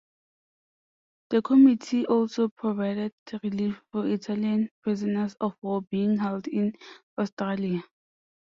The committee also provided relief for Italian prisoners of war being held in Australia.